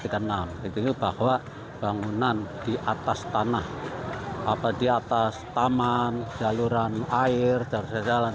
itu bahwa bangunan di atas tanah di atas taman jaluran air jalur jalan